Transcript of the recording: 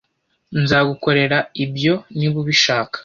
Nzagukorera ibyo niba ubishaka.